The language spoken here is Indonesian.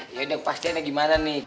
eh yaudah pas jennya gimana nih